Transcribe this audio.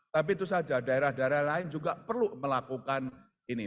tapi itu saja daerah daerah lain juga perlu melakukan ini